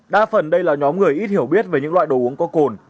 đa phần đây là nhóm người ít hiểu biết về những loại đồ uống có cồn